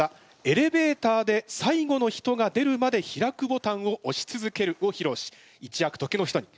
「エレベーターで最後の人が出るまで開くボタンをおし続ける」をひろうしいちやく時の人に！